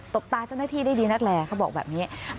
บตาเจ้าหน้าที่ได้ดีนั่นแหละเขาบอกแบบนี้